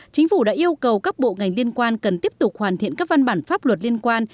chính phủ đã yêu cầu các bộ ngành liên quan cần tiếp tục hoàn thiện các văn bản pháp luật liên quan